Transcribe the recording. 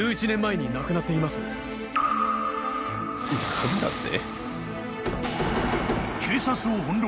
何だって？